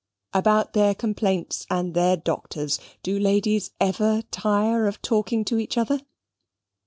About their complaints and their doctors do ladies ever tire of talking to each other?